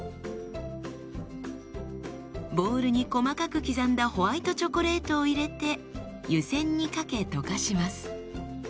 ボウルに細かく刻んだホワイトチョコレートを入れて湯せんにかけ溶かします。